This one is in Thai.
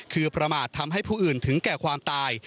คือประมาททำให้ผู้อื่นถึงแก่ความตาย